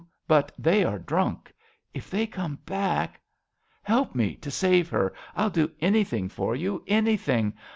But they are drunk. If they come back. ... Help me to save her ! I'll do anything for you, Anything